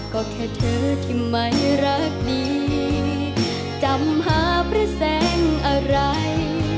ก็แค่เธอที่ไม่รักดีจำหาพระแสงอะไร